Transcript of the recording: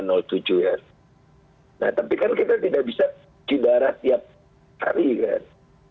nah tapi kan kita tidak bisa cibarat tiap hari kan